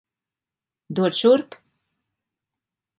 Dod šurp!